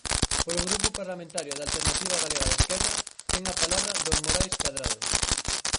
Polo Grupo Parlamentario da Alternativa Galega de Esquerda, ten a palabra don Morais Cadrado.